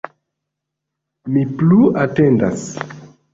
Mi plu atendas.